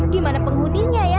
gimana penghuninya ya